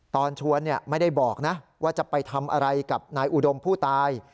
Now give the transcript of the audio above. ตอนชวนไม่ได้บอกนะว่าจะไปทำอะไรกับนายอุดมผู้ตาย